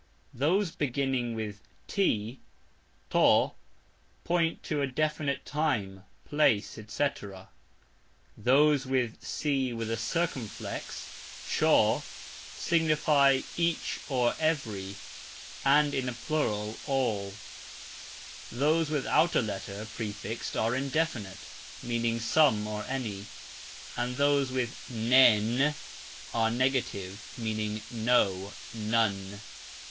Those beginning with "T" point to a "definite" time, place, etc. Those with "Cx" signify "each" or "every", and in the plural "all". Those without a letter prefixed are "indefinite", meaning some or any; and those with "nen " are "negative", meaning "no, none".